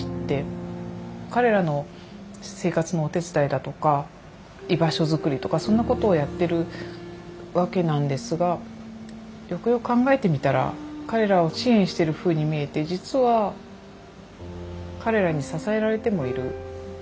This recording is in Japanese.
彼らの生活のお手伝いだとか居場所づくりとかそんなことをやってるわけなんですがよくよく考えてみたら彼らを支援してるふうに見えて実は彼らに支えられてもいる。